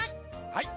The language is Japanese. はい！